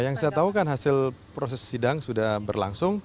yang saya tahu kan hasil proses sidang sudah berlangsung